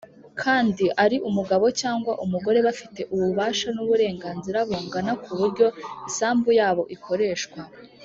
kandi ari umugabo cyangwa umugore bafite ububasha n’uburenganzira bungana k’uburyo isambu yabo ikoreshwa.